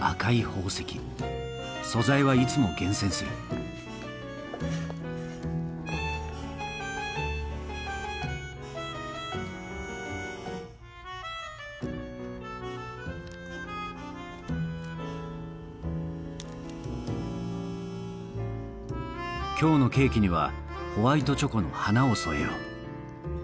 素材はいつも厳選する今日のケーキにはホワイトチョコの花を添えよう。